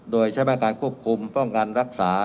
โดยใช้มาตรการควบคุมป้องกันรักษา